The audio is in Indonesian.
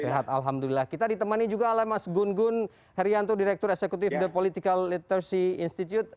sehat alhamdulillah kita ditemani juga oleh mas gun gun herianto direktur eksekutif the political literacy institute